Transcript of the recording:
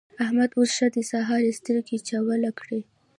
احمد اوس ښه دی؛ سهار يې سترګې چوله کړې.